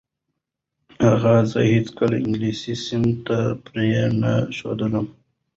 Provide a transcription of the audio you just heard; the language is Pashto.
اغا زه هیڅکله انګلیسي صنف ته پرې نه ښودلم.